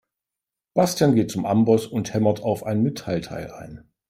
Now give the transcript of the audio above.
Bastian geht zum Amboss und hämmert auf ein Metallteil ein.